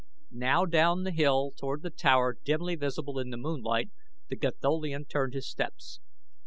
Now down the hill toward the tower dimly visible in the moonlight the Gatholian turned his steps.